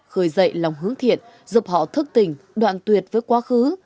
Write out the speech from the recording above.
khởi dậy lòng hướng thiện giúp họ thức tình đoàn tuyệt với quá khứ